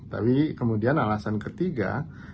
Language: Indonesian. tapi kemudian alasan ketiga